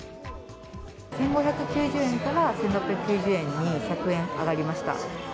１５９０円から１６９０円に１００円上がりました。